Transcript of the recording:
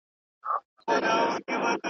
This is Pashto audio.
ستا پسرلي ته به شعرونه جوړ کړم.